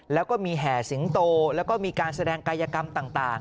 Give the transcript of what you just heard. แล้วก็มีแห่สิงโตแล้วก็มีการแสดงกายกรรมต่าง